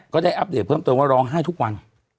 ได้อัปเดตเพิ่มเติมว่าร้องไห้ทุกวัน